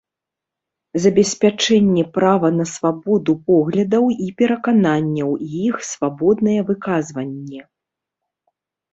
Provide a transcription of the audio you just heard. Забеспячэнне права на свабоду поглядаў i перакананняў i iх свабоднае выказванне.